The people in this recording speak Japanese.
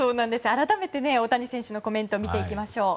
改めて大谷選手のコメント見ていきましょう。